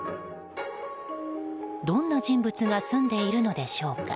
どんな人物が住んでいるのでしょうか。